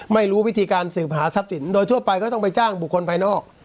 ไม่รู้วิธีการสืบหาทรัพย์สินโดยทั่วไปก็ต้องไปจ้างบุคคลภายนอก